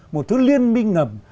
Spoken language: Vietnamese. một thứ liên minh ngầm